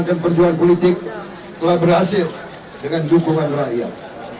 dan perjuangan politik telah berhasil dengan dukungan rakyat